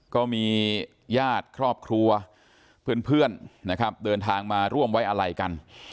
ก็มีญาติครอบครัวเพื่อนนะครับเดินทางมาร่วมไว้อะไรกัน